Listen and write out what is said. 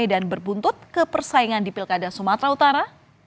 berbuntut ke persaingan di pilkada sumatera utara